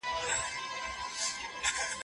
آیا اګست کنت مو پېژنئ؟